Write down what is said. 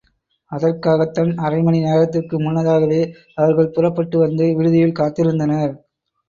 அதற்காகத்தான் அரைமணி நேரத்திற்கு முன்னதாகவே அவர்கள் புறப்பட்டு வந்து விடுதியில் காத்திருந்தனர்.